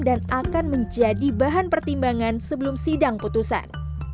dan akan menjadi bahan pertimbangan sebelum sidang putusan